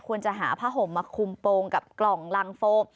ควรจะหาผ้าห่มมาคุมโปรงกับกล่องรังโฟม